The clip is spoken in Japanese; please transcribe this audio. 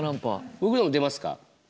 僕のも出ますか？